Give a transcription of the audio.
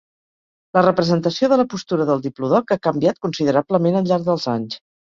La representació de la postura del diplodoc ha canviat considerablement al llarg dels anys.